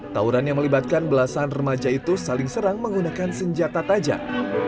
tauran yang melibatkan belasan remaja itu saling serang menggunakan senjata tajam